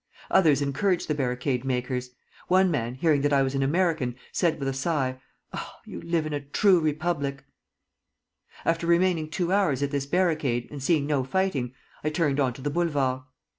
Others encouraged the barricade makers. One man, hearing that I was an American, said with a sigh, 'Ah, you live in a true republic!' "After remaining two hours at this barricade, and seeing no fighting, I turned on to the Boulevard.